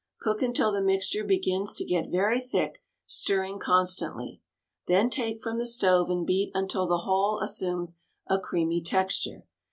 Cook until the mixture begins to get very thick, stirring constantly. Then take from the stove and beat until the whole assumes a creamy texture.